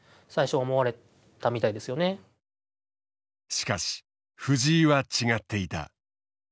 しかし藤井は違っていた。